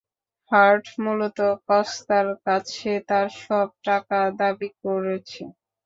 Heart মূলত কস্তার কাছে তার সব টাকা দাবি করেছে।